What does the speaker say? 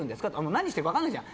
何してるか分かんないじゃん。